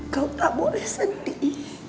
kau tak boleh sedih